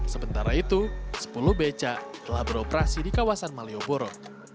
sementara itu sepuluh becak telah beroperasi di kawasan malioboro